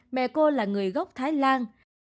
mẹ cô là người gốc thái lan